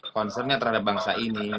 konsepnya terhadap bangsa ini